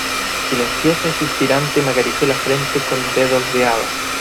silenciosa y suspirante me acarició la frente con dedos de hada: